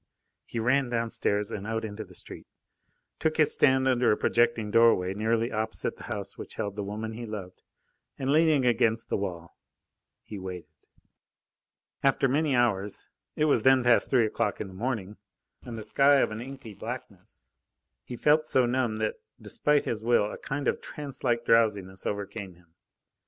He ran downstairs and out into the street, took his stand under a projecting doorway nearly opposite the house which held the woman he loved, and leaning against the wall, he waited. After many hours it was then past three o'clock in the morning, and the sky of an inky blackness he felt so numb that despite his will a kind of trance like drowsiness overcame him.